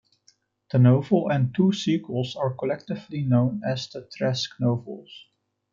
The novel and two sequels are collectively known as the Trask novels.